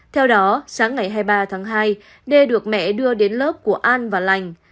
theo đó sáng ngày hai mươi ba tháng hai đê được mẹ đưa đến lớp của an và lành